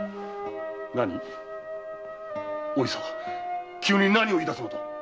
何⁉お久急に何を言い出すのだ！